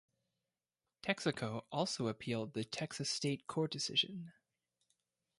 Texaco also appealed the Texas state court decision.